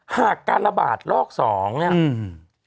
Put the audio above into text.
หากการระบาดรอก๒เนี่ย